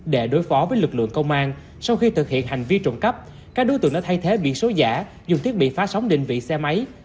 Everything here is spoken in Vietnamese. để đối phó với lực lượng công an sau khi thực hiện hành vi trộm cắp các đối tượng đã thay thế biển số giả dùng thiết bị phá sóng định vị xe máy